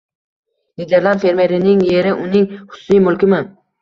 —Niderland fermerining yeri uning xususiy mulkimi?